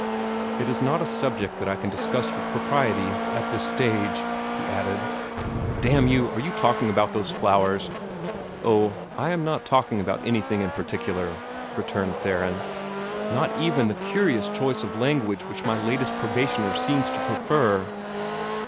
"It is not a subject that I can discuss with propriety at this stage," he added. "Damn you! Are you talking about those flowers?" "Oh, I am not talking about anything in particular," returned Theron, "not even the curious choice of language which my latest probationer seems to prefer."